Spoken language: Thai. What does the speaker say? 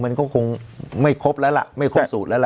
มันก็คงไม่ครบสูตรแล้วละ